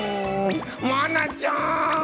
愛菜ちゃん！